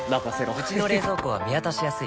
うちの冷蔵庫は見渡しやすい